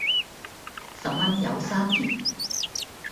十蚊有三件